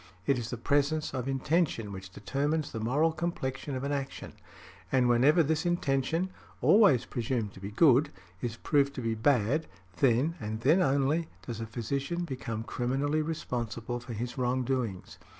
It is the presence of intention which determines the moral complexion of an action, and whenever this intention (always presumed to be good) is proved to be bad, then, and then only, does a physician become criminally responsible for his wrongdoings.